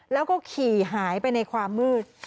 แล้วก็ขี่หายไปในความมืด